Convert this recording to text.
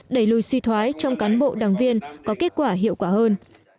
đẩy lùi suy thoái trong cán bộ đảng viên có kết quả hiệu quả hơn